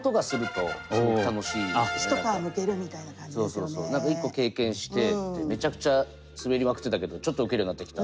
意外に何か一個経験してめちゃくちゃスベりまくってたけどちょっとウケるようになってきた。